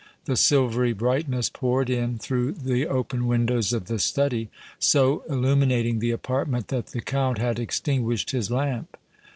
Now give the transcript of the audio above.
The silvery brightness poured in through the open windows of the study, so illuminating the apartment that the Count had extinguished his lamp.